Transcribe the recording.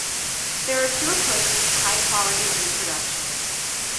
There are two approaches to high-quality reproduction.